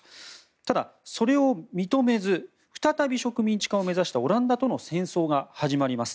ただ、それを認めず再び植民地化を目指したオランダとの戦争が始まります。